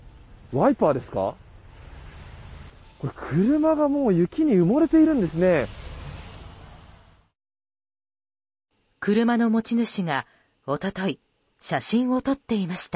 車が雪に埋もれているんですね。